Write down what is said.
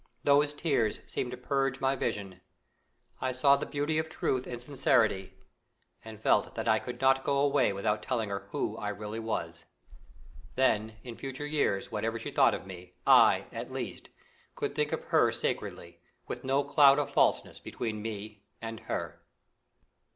Those tears seemed to purge my vision: I saw the beauty of truth and sincerity, and felt that I could not go away without telling her who I really was; then, in future years, whatever she thought of me, I, at least, could think of her sacredly, with no cloud of falseness between me and her.